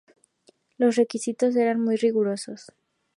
Los requisitos eran muy rigurosos.